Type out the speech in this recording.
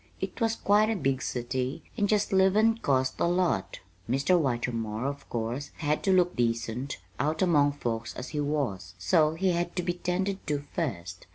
It was quite a big city and just livin' cost a lot. Mr. Whitermore, of course, had to look decent, out among folks as he was, so he had to be 'tended to first.